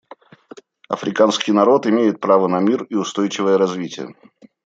Африканский народ имеет право на мир и устойчивое развитие.